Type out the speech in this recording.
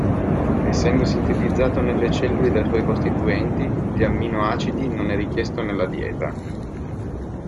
Essendo sintetizzato nelle cellule dai suoi costituenti, gli amminoacidi, non è richiesto nella dieta.